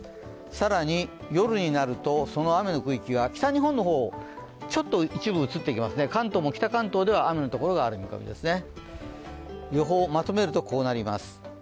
更に夜になるとその雨の区域が北日本の方、ちょっと一部移っていきますね、関東も北関東では雨の所がある見込みですね。